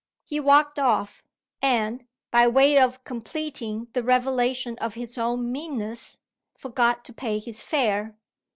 He walked off; and, by way of completing the revelation of his own meanness, forgot to pay his fare.